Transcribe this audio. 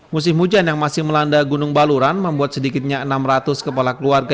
musim hujan yang masih melanda gunung baluran membuat sedikitnya enam ratus kepala keluarga